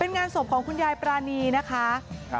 เป็นงานศพของคุณยายปรานีนะคะ